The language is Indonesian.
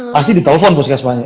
pasti ditelepon puskesmasnya